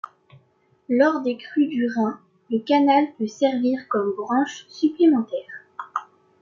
Lors des crues du Rhin, le canal peut servir comme branche supplémentaire.